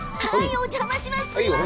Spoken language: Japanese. お邪魔します。